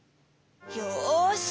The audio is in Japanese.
よし！